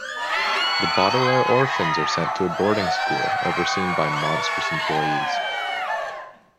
The Baudelaire orphans are sent to a boarding school, overseen by monstrous employees.